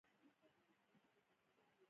• هغه له داسې دندې سره مینه نهدرلوده.